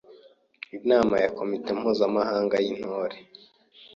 Inama ya Komite Mpuzabikorwa y’Intore